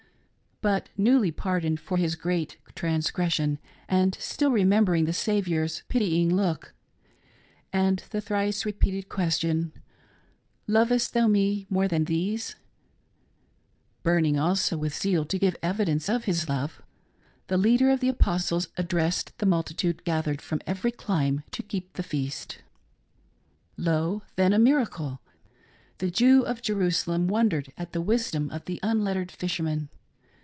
But newly pardoned for his great traiis gression, and still remembering the Saviour's pitying look, and the thrice repeated question —" Lovest thou Me more than these .'"— burning, also, with zeal to give evidence of his love — the Leader of the Apostles addressed the multitude gathered , from every clime to keep the feast. Lo,« then, a miracle ! The Jew of Jerusalem wondered at the wisdom of the unlettered Fisherman.